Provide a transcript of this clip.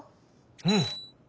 うん！